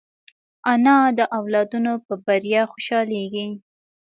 انا د اولادونو په بریا خوشحالېږي